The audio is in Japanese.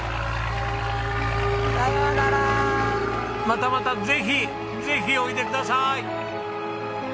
またまたぜひぜひおいでください！